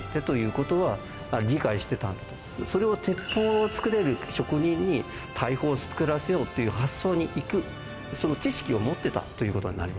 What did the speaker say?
それを鉄砲をつくれる職人に大砲をつくらせようっていう発想にいくその知識を持ってたという事になりますね。